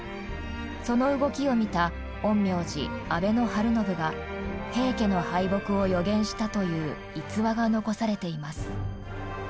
その動きを見た陰陽師安倍晴信が平家の敗北を予言したという逸話が残されています。